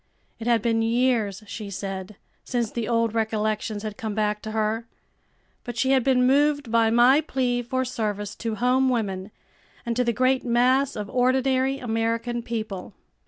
It had been years, she said, since the old recollections had come back to her, but she had been moved by my plea for service to home women and to the great mass of ordinary American people.